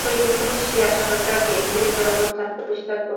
দ্রুত তারা ইন্দোনেশিয়ার সরকারকে নিজেদের অবস্থান পরিষ্কার করেছে।